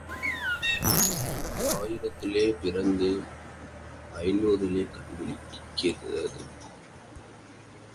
ஆயிரத்திலே பிறந்து ஐந்நூற்றிலே கண் விழிக்கிறது.